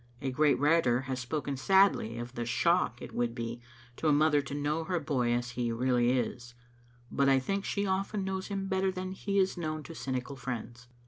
A great writer has spoken sadly of the shock it would be to a mother to know her boy as he really is, but I think she often knows him better than he is known to cynical friends.